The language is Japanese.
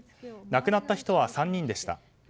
亡くなった人は３人でした。